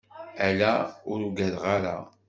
Ala, ur ugadeɣ ara.